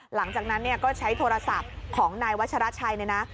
หลังจากนั้นเนี่ยก็ใช้โทรศัพท์ของนายวัชราชัยเนี่ยนะ